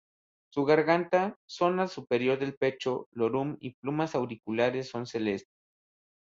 Su garganta zona superior del pecho, lorum y plumas auriculares son celestes.